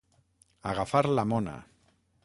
Agafar la mona.